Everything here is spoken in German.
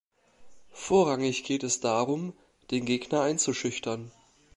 Vorrangig geht es darum, den Gegner einzuschüchtern.